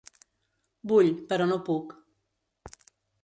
Vull, però no puc.